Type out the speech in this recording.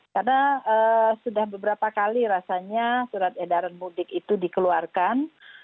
karena sudah beberapa kali rasanya surat edarat mudik itu dikeluarkan